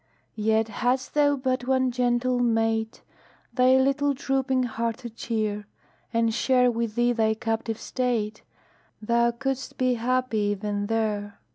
Yet, hadst thou but one gentle mate Thy little drooping heart to cheer, And share with thee thy captive state, Thou couldst be happy even there.